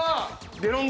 デロンギ。